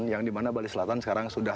yang di mana bali selatan sekarang sudah